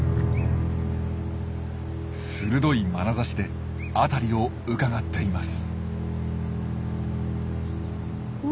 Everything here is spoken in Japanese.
鋭いまなざしで辺りをうかがっています。